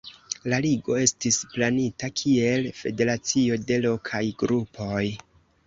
La Ligo estis planita kiel federacio de lokaj grupoj.